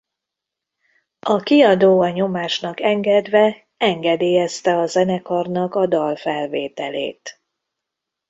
A kiadó a nyomásnak engedve engedélyezte a zenekarnak a dal felvételét.